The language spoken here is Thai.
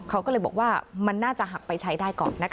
เขาก็เลยบอกว่ามันน่าจะหักไปใช้ได้ก่อนนะคะ